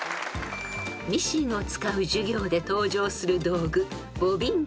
［ミシンを使う授業で登場する道具］